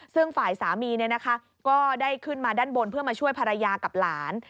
ซึ่งฝ่ายสามีก็ได้ขึ้นมาด้านบนเพื่อมาช่วยภรรยากับหลาน